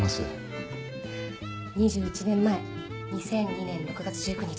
２１年前２００２年６月１９日